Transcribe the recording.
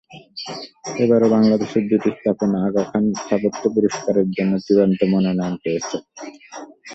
এবারও বাংলাদেশের দুটি স্থাপনা আগা খান স্থাপত্য পুরস্কারের জন্য চূড়ান্ত মনোনয়ন পেয়েছে।